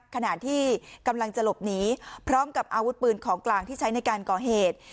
ขณะที่กำลังจะหลบหนีพร้อมกับอาวุธปืนของกลางที่ใช้ในการก่อเหตุ